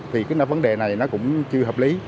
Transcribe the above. thì cái vấn đề này nó cũng chưa hợp lý